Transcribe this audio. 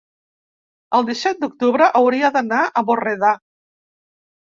el disset d'octubre hauria d'anar a Borredà.